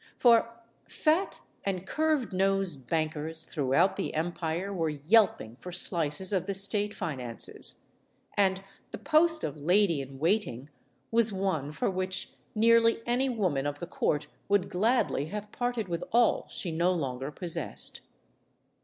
For, fat and curved nosed bankers throughout the empire were yelping for slices of the state finances. And the post of lady in waiting was one for which nearly any woman of the court would gladly have parted with all she no longer possessed.